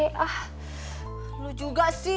kamu juga sih